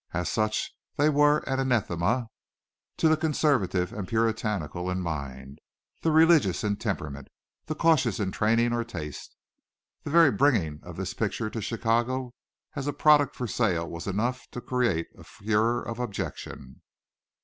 As such they were anathema to the conservative and puritanical in mind, the religious in temperament, the cautious in training or taste. The very bringing of this picture to Chicago as a product for sale was enough to create a furore of objection.